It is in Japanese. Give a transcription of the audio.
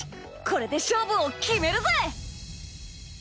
これで勝負を決めるぜ！